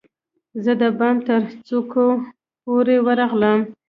زه د بام ترڅوکو پورې ورغلم